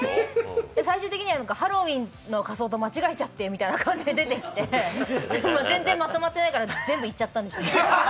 最終的にはハロウィンの仮装と間違えちゃってみたいな感じで出てきちゃって、全然まとまってないから、全部行っちゃったんでしょうね。